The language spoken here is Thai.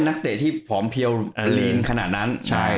นักเตะที่ผอมเพียวลีนขนาดนั้น